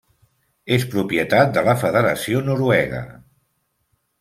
És propietat de la Federació Noruega.